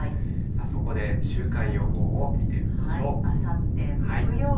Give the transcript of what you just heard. そこで週間予報を見てみましょう。